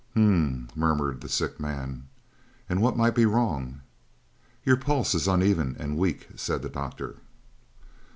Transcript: "H m m!" murmured the sick man. "And what might be wrong?" "Your pulse is uneven and weak," said the doctor.